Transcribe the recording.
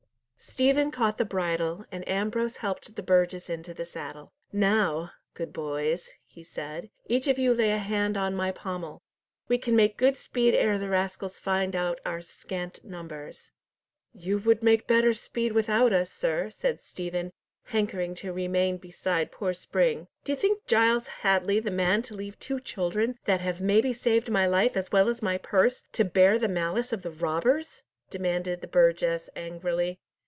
Stephen caught the bridle, and Ambrose helped the burgess into the saddle. "Now, good boys," he said, "each of you lay a hand on my pommel. We can make good speed ere the rascals find out our scant numbers." "You would make better speed without us, sir," said Stephen, hankering to remain beside poor Spring. "D'ye think Giles Headley the man to leave two children, that have maybe saved my life as well as my purse, to bear the malice of the robbers?" demanded the burgess angrily.